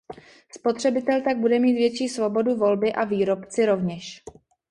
Spotřebitel tak bude mít větší svobodu volby a výrobci rovněž.